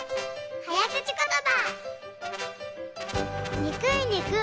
はやくちことば。